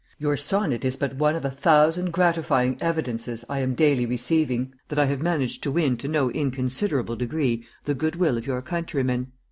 Your sonnet is but one of a thousand gratifying evidences I am daily receiving that I have managed to win to no inconsiderable degree the good will of your countrymen.